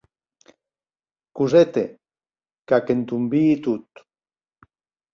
Cosette, qu’ac endonvii tot.